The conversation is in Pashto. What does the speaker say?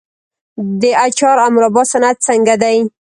د اچار او مربا صنعت څنګه دی؟